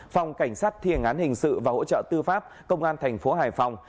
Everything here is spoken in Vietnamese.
phòng cảnh sát thiền án hình sự và hỗ trợ tư pháp công an tp hải phòng